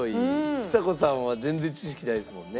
ちさ子さんは全然知識ないんですもんね？